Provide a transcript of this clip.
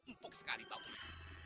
empuk sekali bawis